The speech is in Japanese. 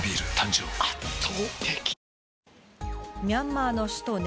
ミャンマーの首都